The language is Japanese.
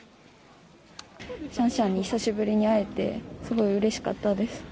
シャンシャンに久しぶりに会えて、すごいうれしかったです。